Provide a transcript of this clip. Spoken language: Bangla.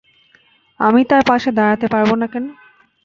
আমি তার পাশে দাড়াঁতে পারব না কেন?